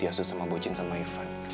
diasud sama bucin sama ivan